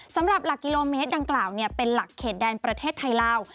สำหรับหลักกิโลเมตรดังกล่าวเป็นหลักเขตแดนประเทศไทยลาว